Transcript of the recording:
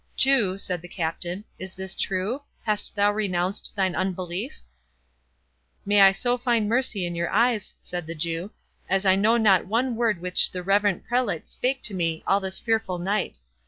"Jew," said the Captain, "is this true? hast thou renounced thine unbelief?" "May I so find mercy in your eyes," said the Jew, "as I know not one word which the reverend prelate spake to me all this fearful night.